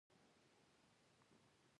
له دې سره به مې استاد خپه کېده.